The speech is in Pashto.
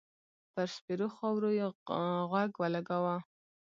پر سپېرو خاور يې غوږ و لګاوه.